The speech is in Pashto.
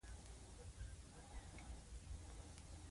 موږ باید ځانونه منظم کړو